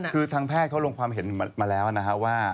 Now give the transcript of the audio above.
คือทางแพทย์เขาลงความเห็นมาแล้วนะฮะว่า